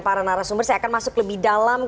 aparan arsumber saya akan masuk lebih dalam